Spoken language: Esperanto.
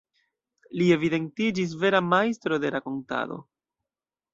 Li evidentiĝis vera majstro de rakontado.